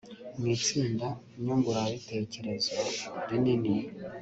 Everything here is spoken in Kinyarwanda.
mu itsinda nyungurabitekerezo rinini